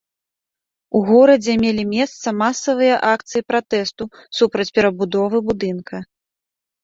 У горадзе мелі месца масавыя акцыі пратэсту супраць перабудовы будынка.